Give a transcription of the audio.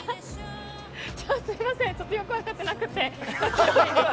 すみませんよく分かってなくて。